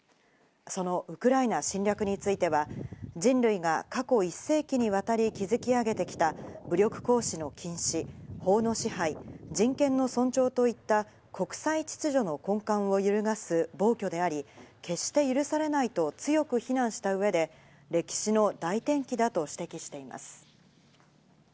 そのウクライナ侵略については、人類が過去１世紀にわたり築き上げてきた武力行使の禁止、法の支配、人権の尊重といった国際秩序の根幹を揺るがす暴挙であり、決して許されないと強く非難した上で、歴史の大転機だと指摘しています。